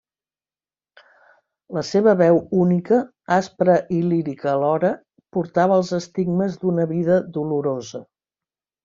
La seva veu única, aspra i lírica alhora, portava els estigmes d'una vida dolorosa.